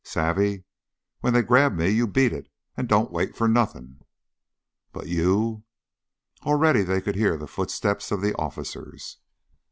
"Savvy? When they grab me, you beat it, and don't wait for nothing." "But you " Already they could hear the footsteps of the officers.